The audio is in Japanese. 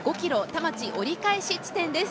田町折り返し地点です。